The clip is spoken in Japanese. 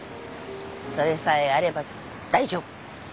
それさえあれば大丈夫。